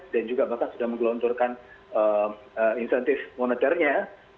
dan juga bahkan sudah menggelontorkan insentif monetarnya